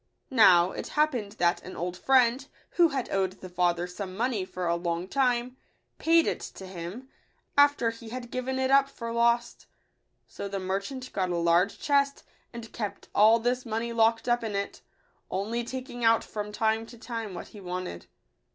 Now, it happened that an old friend, who had owed the father some money for a long time, paid it to him, after he had given it up for lost So the merchant got a large chest, and kept all this money locked up in it, only taking out [ from time to time what he wanted.